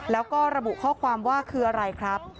แล้วก็ระบุข้อความว่าคืออะไรครับ